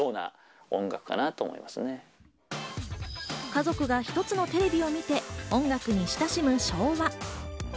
家族が一つのテレビを見て、音楽に親しむ昭和。